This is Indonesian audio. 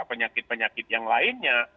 penyakit penyakit yang lainnya